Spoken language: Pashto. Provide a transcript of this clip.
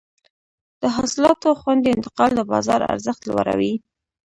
د حاصلاتو خوندي انتقال د بازار ارزښت لوړوي.